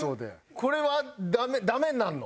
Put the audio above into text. これはダメになるの？